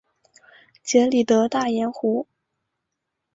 杰里德大盐湖。